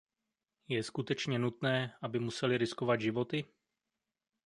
Je skutečně nutné, aby museli riskovat životy?